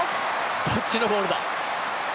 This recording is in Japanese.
どっちのゴールだ。